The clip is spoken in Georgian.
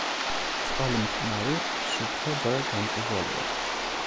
წყალი მტკნარი, სუფთა და გამჭვირვალეა.